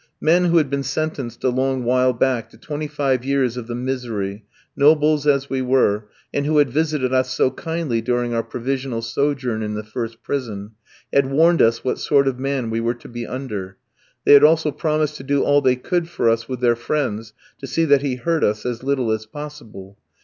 Men who had been sentenced a long while back to twenty five years of the misery, nobles as we were, and who had visited us so kindly during our provisional sojourn in the first prison, had warned us what sort of man we were to be under; they had also promised to do all they could for us with their friends to see that he hurt us as little as possible.